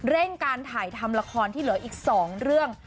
เร่งการถ่ายทำละครที่เหลืออีก๒เรื่อง